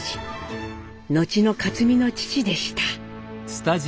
後の克実の父でした。